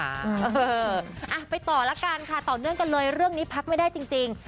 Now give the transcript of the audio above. เอออ่ะไปต่อละกันค่ะต่อเนื่องกันเลยเรื่องนี้พักไม่ได้จริง